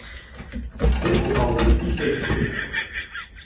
Беҙ ул малды ишәйттек!